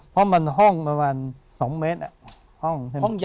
เพราะมันห้องประมาณ๒เมตร